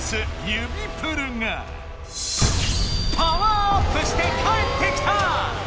「指プル」がパワーアップして帰ってきた！